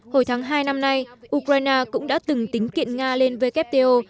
hồi tháng hai năm nay ukraine cũng đã từng tính kiện nga lên wto